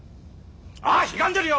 ああひがんでるよ！